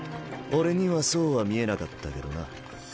俺にはそうは見えなかったけどな。